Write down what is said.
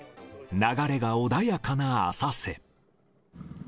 流れが穏やかな浅瀬。